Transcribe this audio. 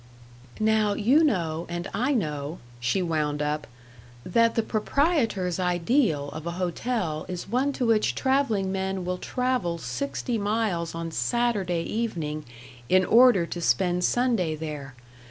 "Now you know, and I know," she wound up, "that the proprietor's ideal of a hotel is one to which traveling men will travel sixty miles on Saturday evening, in order to spend Sunday there.